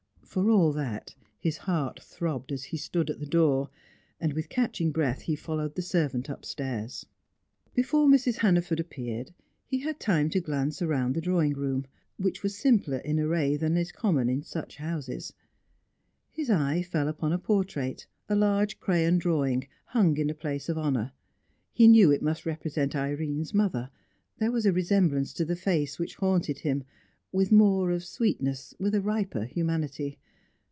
For all that, his heart throbbed as he stood at the door, and with catching breath, he followed the servant upstairs. Before Mrs. Hannaford appeared, he had time to glance round the drawing room, which was simpler in array than is common in such houses. His eye fell upon a portrait, a large crayon drawing, hung in a place of honour; he knew it must represent Irene's mother; there was a resemblance to the face which haunted him, with more of sweetness, with a riper humanity.